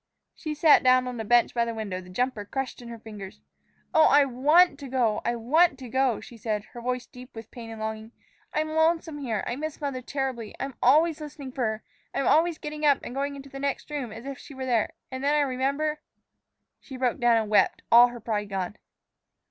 She sat down on a bench by the window, the jumper crushed in her fingers. "Oh, I want to go! I want to go!" she said, her voice deep with pain and longing. "I'm lonesome here. I miss mother terribly. I'm always listening for her; I'm always getting up and going into the next room as if she were there. And then I remember " She broke down and wept, all her pride gone.